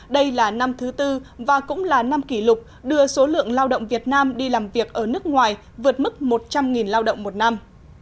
đây là năm thứ tư và cũng là năm kỷ lục đưa số lượng lao động việt nam đi làm việc ở nước ngoài vượt mức một trăm linh lao động một năm